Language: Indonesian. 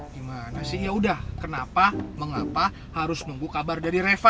gimana sih ya udah kenapa mengapa harus membuka bar dari reva